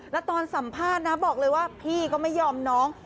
แล้วตอนสัมภาษณ์นะบอกเลยว่าพี่ก็ไม่ยอมน้อง